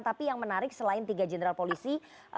tapi yang menarik selain tiga jenderal polisi